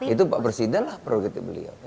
itu pak presiden lah prioritas beliau